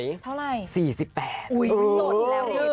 เท่าไหร่